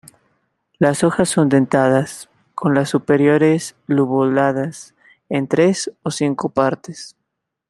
Las hojas son dentadas, con las superiores lobuladas en tres o cinco partes.